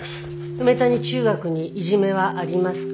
梅谷中学にいじめはありますか？